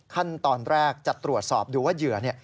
ขั้นตอนแรกจะตรวจสอบดูว่าเหยื่อ